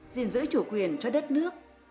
dình giữ chủ quyền cho đất nước